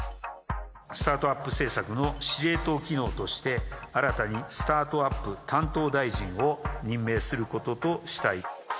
スタートアップ政策の司令塔機能として、新たにスタートアップ担当大臣を任命することとしたい。